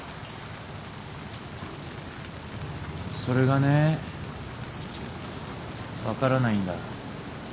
それがね分からないんだ。